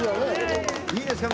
いいですか？